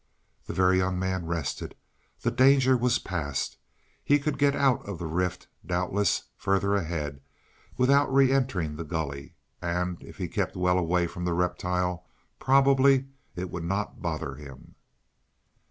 The Very Young Man rested. The danger was past. He could get out of the rift, doubtless, further ahead, without reentering the gully. And, if he kept well away from the reptile, probably it would not bother him.